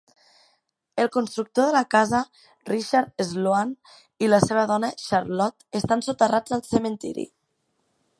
El constructor de la casa, Richard Sloan, i la seva dona, Charlotte estan soterrats al cementiri.